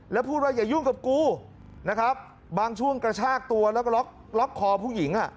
แล้วพูดว่าอย่ายุ่งกับกูนะครับบางช่วงกระชากตัวแล้วก็ล็อกคอผู้หญิง